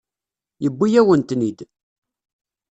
Yewwi-yawen-ten-id.